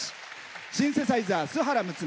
シンセサイザー、須原睦。